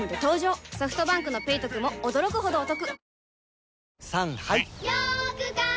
ソフトバンクの「ペイトク」も驚くほどおトク